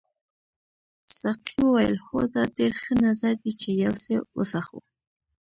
ساقي وویل هو دا ډېر ښه نظر دی چې یو څه وڅښو.